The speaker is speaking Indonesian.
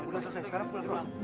udah selesai sekarang pulang